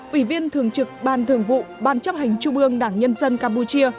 ủy viên thường trực ban thường vụ ban chấp hành trung ương đảng nhân dân campuchia